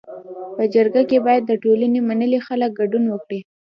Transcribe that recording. په جرګه کي باید د ټولني منلي خلک ګډون وکړي.